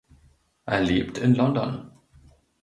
Er lebt in London.